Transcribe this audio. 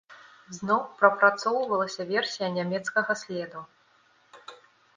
Зноў прапрацоўвалася версія нямецкага следу.